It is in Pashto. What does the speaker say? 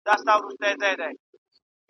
زه د خپلو زده کړو د بشپړولو لپاره هڅه کوم.